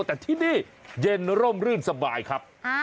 แต่ที่นี่เย็นร่มรื่นสบายครับ